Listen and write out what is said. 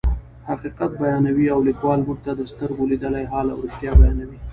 حقیقت بیانوي او لیکوال موږ ته د سترګو لیدلی حال او رښتیا بیانوي.